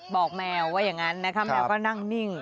แมวว่าอย่างนั้นนะคะแมวก็นั่งนิ่ง